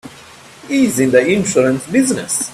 He's in the insurance business.